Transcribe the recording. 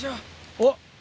おっ！